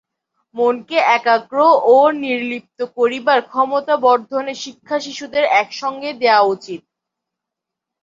মনকে একাগ্র ও নির্লিপ্ত করিবার ক্ষমতাবর্ধনের শিক্ষা শিশুদের একসঙ্গেই দেওয়া উচিত।